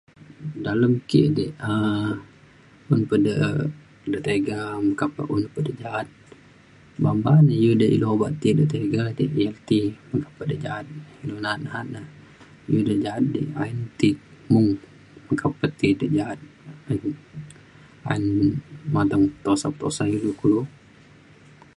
dalem ki di um un pe de de tiga meka pa un pa de ja’at obak de iu de ilu de tiga ti iu pe de ja’at ilu na’at na’at na iu de ja’at di ayen ti mung meka pe ti de ja’at ayen mateng petusa petusa ngan ilu kulu